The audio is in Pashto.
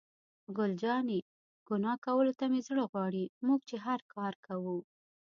ګل جانې: ګناه کولو ته مې زړه غواړي، موږ چې هر کار کوو.